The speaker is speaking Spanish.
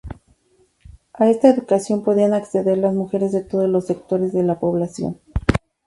A esta educación podían acceder las mujeres de todos los sectores de la población.